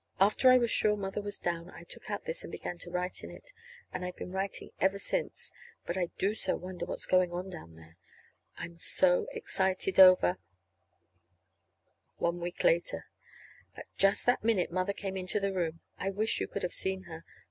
After I was sure Mother was down, I took out this, and began to write in it. And I've been writing ever since. But, oh, I do so wonder what's going on down there. I'm so excited over One week later. At just that minute Mother came into the room. I wish you could have seen her.